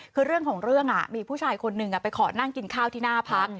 คือเรื่องของเรื่องมีผู้ชายคนหนึ่งไปขอนั่งกินข้าวที่หน้าพัก